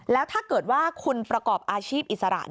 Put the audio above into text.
แล้วถ้าเกิดว่าคุณประกอบอาชีพอิสระ